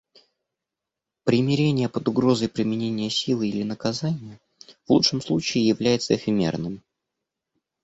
Примирение под угрозой применения силы или наказания в лучшем случае является эфемерным.